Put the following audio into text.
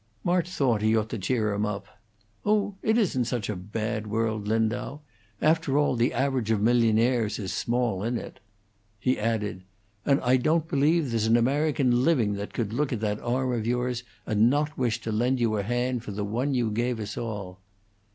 March thought he ought to cheer him up. "Oh, it isn't such a bad world, Lindau! After all, the average of millionaires is small in it." He added, "And I don't believe there's an American living that could look at that arm of yours and not wish to lend you a hand for the one you gave us all."